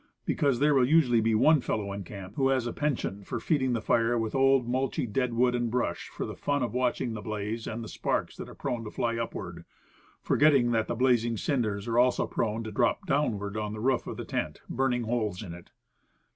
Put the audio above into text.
Because, there will usually be one fellow in camp who has a penchant for feeding the fire with old mulchy deadwood and brush, for the fun of watching the blaze, and the sparks that are prone to fly upward; forgetting that the blazing cinders are also prone to drop downward on the roof of the tent, burning holes in it.